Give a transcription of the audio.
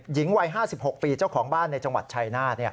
หญิงวัย๕๖ปีเจ้าของบ้านในจังหวัดชายนาฏ